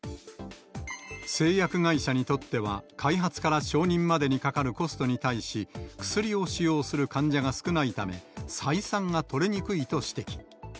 製薬会社にとっては、開発から承認までにかかるコストに対し、薬を使用する患者が少ないため、採算が取れにくいと指摘。